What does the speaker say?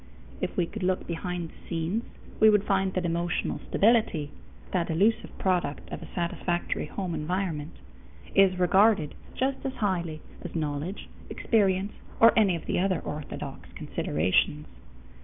If we could look behind the scenes, we would find that emotional stability that elusive product of a satisfactory home environment is regarded just as highly as knowledge, experience, or any of the other orthodox considerations.